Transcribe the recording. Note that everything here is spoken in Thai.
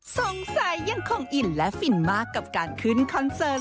ยังคงอินและฟินมากกับการขึ้นคอนเสิร์ต